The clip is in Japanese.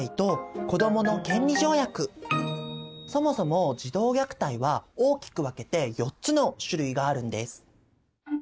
そもそも児童虐待は大きく分けて４つの種類があるんです。